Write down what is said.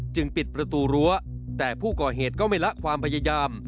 ปิดประตูรั้วแต่ผู้ก่อเหตุก็ไม่ละความพยายาม